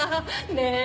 ねえ？